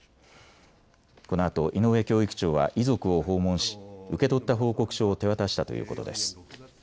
このあと井上教育長は遺族を訪問し、受け取った報告書を手渡したということです。